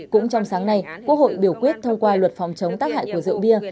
cũng trong sáng nay quốc hội biểu quyết thông qua luật phòng chống tác hại của rượu bia